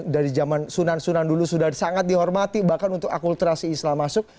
dari zaman sunan sunan dulu sudah sangat dihormati bahkan untuk akulturasi islam masuk